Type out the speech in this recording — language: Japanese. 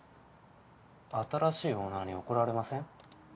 新しいオーナーに怒られません？